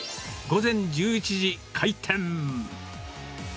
午前１１時、開店。